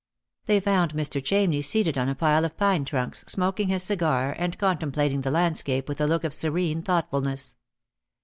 They found Mr. Chamney seated on a pile of pine trunks, smoking his cigar and contemplating the landscape with a look of serene thoughtfulness.